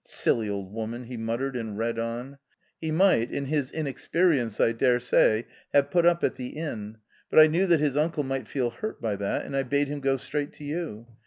" Silly old woman !" he muttered and read on :" He might, in his inexperience, I daresay, have put up at the inn, but I knew that his uncle might feel hurt by that, and I bade him go straight to you.